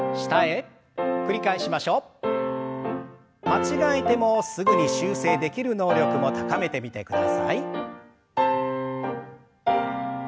間違えてもすぐに修正できる能力も高めてみてください。